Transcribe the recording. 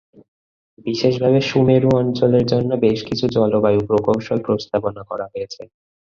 বিশেষভাবে সুমেরু অঞ্চলের জন্য বেশকিছু জলবায়ু প্রকৌশল প্রস্তাবনা করা হয়েছে।